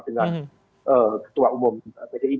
dengan ketua umum bdip